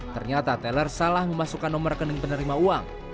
ternyata teller salah memasukkan nomor rekening penerima uang